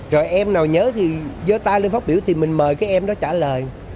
rồi em nào nhớ thì dơ tay lên phát biểu thì mình mời cái em đó trả lời